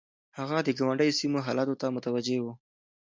هغه د ګاونډيو سيمو حالاتو ته متوجه و.